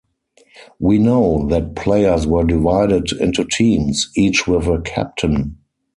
We know that players were divided into teams, each with a captain.